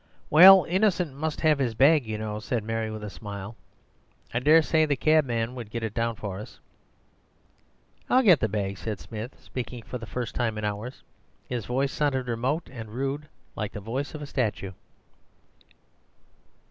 "Well, Innocent must have his bag, you know," said Mary with a smile. "I dare say the cabman would get it down for us." "I'll get the bag," said Smith, speaking for the first time in hours; his voice sounded remote and rude, like the voice of a statue.